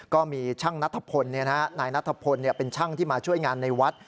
ก็มีช่างนัทพลนายนัทพลเป็นช่างที่มาช่วยงานในวัด